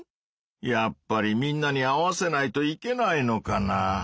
やっぱりみんなに合わせないといけないのかな？